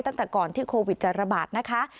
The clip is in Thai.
ตั้งแต่ก่อนที่โควิดจะระบาดนะคะ